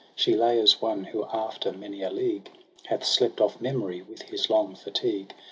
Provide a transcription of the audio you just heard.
She lay as one who after many a league Hath slept oflF memory with his long fatigue.